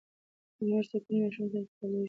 د مور سکون ماشوم ته انتقالېږي.